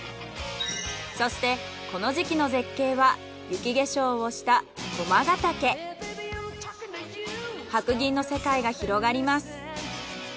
そしてこの時期の絶景は雪化粧をした白銀の世界が広がります。